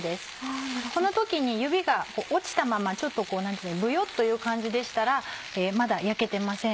この時に指が落ちたままちょっとこうブヨっという感じでしたらまだ焼けてません。